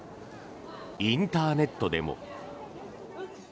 インターネットでも。